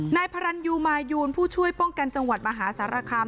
นายพรรณยูมายูนผู้ช่วยป้องกันจังหวัดมหาสารคาม